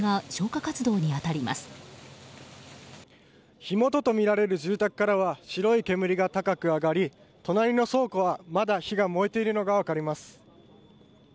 火元とみられる住宅からは白い煙が高く上がり隣の倉庫はまだ火が燃えているのが分かります。